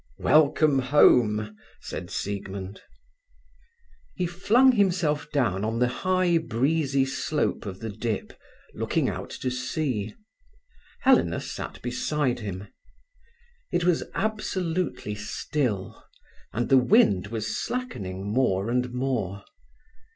"Welcome home!" said Siegmund. He flung himself down on the high, breezy slope of the dip, looking out to sea. Helena sat beside him. It was absolutely still, and the wind was slackening more and more.